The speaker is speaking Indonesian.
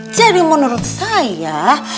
jadi menurut saya